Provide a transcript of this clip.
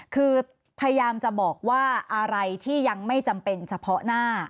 คือพยายามจะบอกว่าอะไรที่ยังไม่จำเป็นเฉพาะหน้า